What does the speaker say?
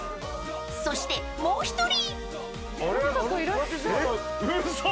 ［そしてもう１人］